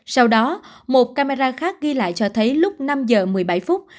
sau đó một camera khác ghi lại cho thấy lúc năm giờ một mươi bảy phút